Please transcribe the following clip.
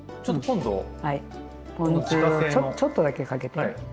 ポン酢をちょっとだけかけて。